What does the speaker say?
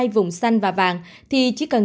vùng xanh và vàng thì chỉ cần